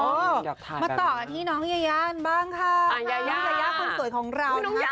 มาต่อกันที่น้องยายานบ้างค่ะยายาคนสวยของเรานะคะ